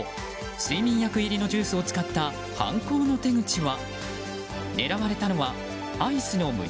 睡眠薬入りのジュースを使った犯行の手口は？